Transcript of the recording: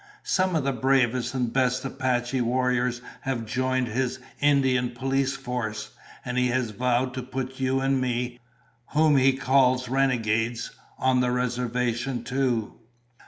Some of the bravest and best Apache warriors have joined his Indian police force. And he has vowed to put you and me, whom he calls renegades, on the reservation too."